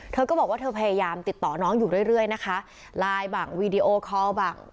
เธอก็บอกว่าเธอพยายามติดต่อน้องอยู่เรื่อยนะคะไลน์บังวีดีโอคอลบัง